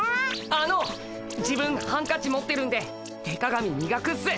あの自分ハンカチ持ってるんで手鏡みがくっす。